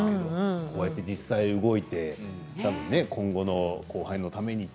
こうやって実際に、動いて今後の後輩のために。